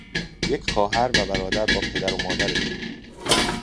یک خواهر و برادر با پدر و ماردشان